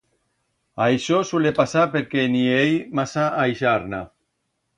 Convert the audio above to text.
Aixó suele pasar perque en i hei masa a ixa arna.